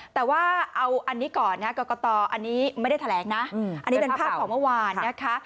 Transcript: แต่ว่าเอาอันนี้ก่อนนะกรกตอันนี้ไม่ได้แถลงนะอันนี้เป็นภาพของเมื่อวานนะคะ